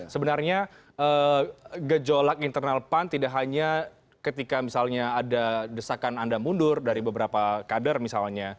sebenarnya gejolak internal pan tidak hanya ketika misalnya ada desakan anda mundur dari beberapa kader misalnya